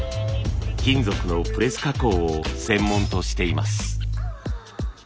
金属のプレス加工を専門としています。